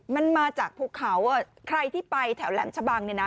มันมาจากภูเขาใครที่ไปแถวแหลมชะบังเนี่ยนะ